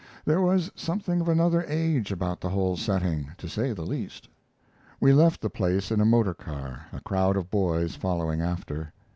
There was something of another age about the whole setting, to say the least. We left the place in a motor car, a crowd of boys following after.